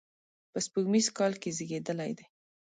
په سپوږمیز کال کې زیږېدلی دی.